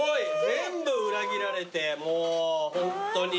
全部裏切られてもうホントに。